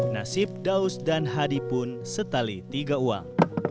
nasib daus dan hadipun setali tiga uang